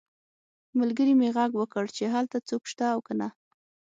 ملګري مې غږ وکړ چې هلته څوک شته او که نه